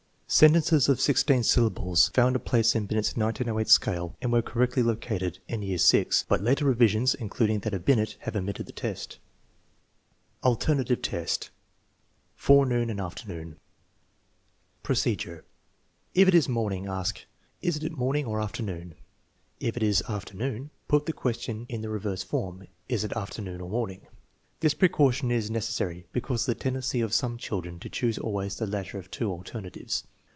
Sentences of sixteen syllables found a place in Binet's 1908 scale and were correctly located in year VI, but later revisions, including that of Binet, have omitted the test. TEST NO. VI, ALTERNATIVE 187 VI. Alternative test: forenoon and afternoon Procedure. If it is morning, ask: " Is it morning or afternoon ?" If it is afternoon, put the question in the re verse form, " Is it afternoon or morning ?" This precaution is necessary because of the tendency of some children to choose always the latter of two alternatives.